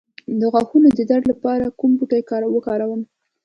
د غاښونو د درد لپاره کوم بوټی وکاروم؟